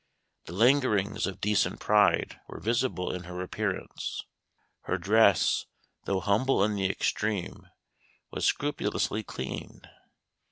The lingerings of decent pride were visible in her appearance. Her dress, though humble in the extreme, was scrupulously clean.